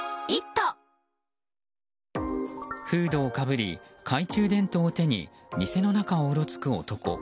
フードをかぶり懐中電灯を手に店の中をうろつく男。